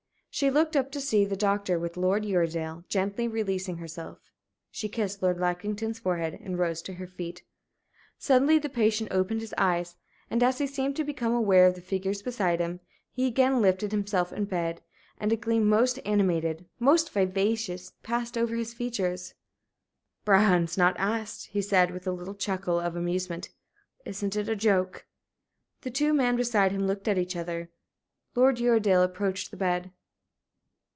She looked up to see the doctor, with Lord Uredale. Gently releasing herself, she kissed Lord Lackington's forehead, and rose to her feet. Suddenly the patient opened his eyes, and as he seemed to become aware of the figures beside him, he again lifted himself in bed, and a gleam most animated, most vivacious, passed over his features. "Brougham's not asked," he said, with a little chuckle of amusement. "Isn't it a joke?" The two men beside him looked at each other. Lord Uredale approached the bed.